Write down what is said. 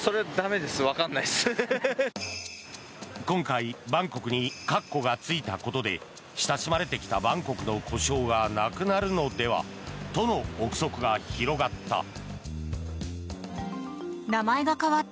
今回、バンコクに括弧がついたことで親しまれてきたバンコクの呼称がなくなるのではとの臆測が広がった。